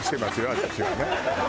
私はね。